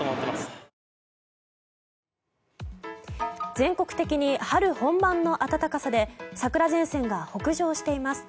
全国的に春本番の暖かさで桜前線が北上しています。